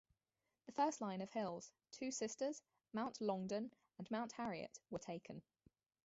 The first line of hills: Two Sisters, Mount Longdon and Mount Harriet, were taken.